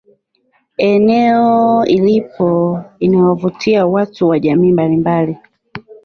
Eneo ilipo inawavutia watu wa jamiii mbalimbali